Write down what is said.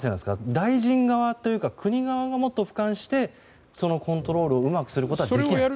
大臣側というか国側がもっと俯瞰してコントロールをうまくすることができる？